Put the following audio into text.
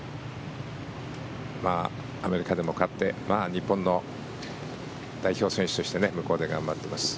アメリカでも勝って日本の代表選手として向こうで頑張ってます。